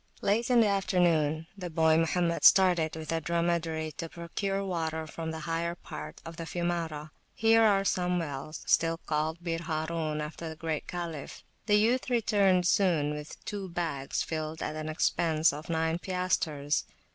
Late in the afternoon the boy Mohammed started with a dromedary to procure water from the higher part of the Fiumara. Here are some wells, still called Bir Harun, after the great Caliph. The youth returned soon with two bags filled at an expense of nine piastres.